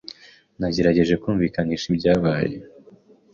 Nagerageje kumvikanisha ibyabaye.